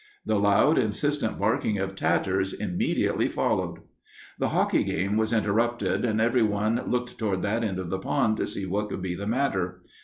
The loud, insistent barking of Tatters immediately followed. The hockey game was interrupted, and everyone looked toward that end of the pond to see what could be the matter.